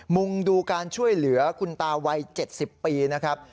มุงดูการช่วยเหลือคุณตาวัย๗๐ปีนะครับ